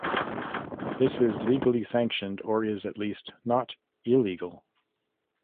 This is legally sanctioned or is, at least, not illegal.